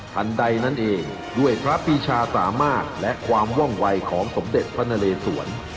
ทันใดนั่นเองด้วยพระปีชาสามารถและความว่องวัยของสมเด็จพระนเลสวน